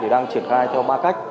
thì đang triển khai theo ba cách